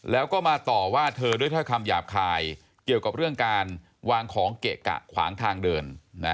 แล้วก็มาต่อว่าเธอด้วยถ้อยคำหยาบคายเกี่ยวกับเรื่องการวางของเกะกะขวางทางเดิน